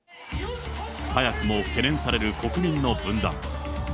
早くも懸念される国民の分断。